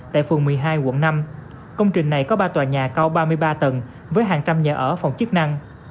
tại phường một mươi hai quận năm công trình này có ba tòa nhà cao ba mươi ba tầng với hàng trăm nhà ở phòng chức năng